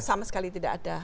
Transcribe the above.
sama sekali tidak ada